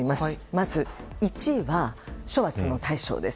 まず、１は処罰の対象です。